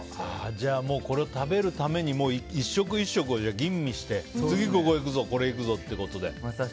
じゃあ、これを食べるために１食１食を吟味して次ここ行くぞということで。